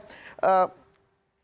di garuda indonesia